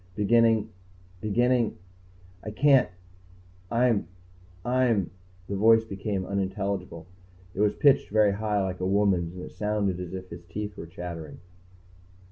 Beginning beginning ... I can't I'm I'm " The voice became unintelligible. It was pitched very high, like a woman's, and it sounded as if his teeth were chattering.